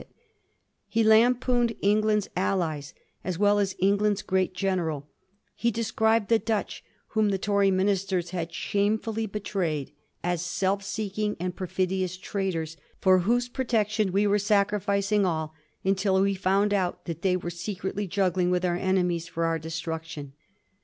12T He lampooned England's allies as well as England's great general : he described the Dutch, whom the Toiy ministers had shamefully betrayed, as self seeking and perfidious traitors, for whose protection we were sacrificing all, until we found out that they were secretly juggling with our enemies for our destruction.